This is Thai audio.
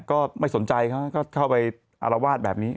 ก็ไม่สนใจเขาก็เข้าไปอารวาสแบบนี้